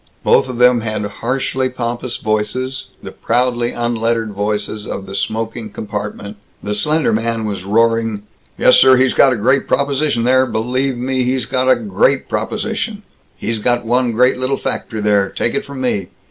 Both of them had harshly pompous voices the proudly unlettered voices of the smoking compartment. The slender man was roaring: "Yes, sir, he's got a great proposition there believe me, he's got a great proposition he's got one great little factory there, take it from me.